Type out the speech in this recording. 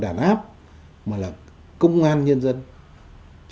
của các lực lượng thù địch